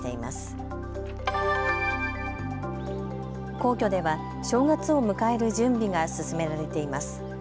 皇居では正月を迎える準備が進められています。